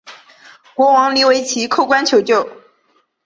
国王黎维祁叩关求救。